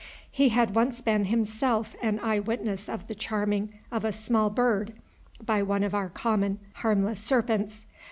He had once been himself an eyewitness of the charming of a small bird by one of our common harmless serpents.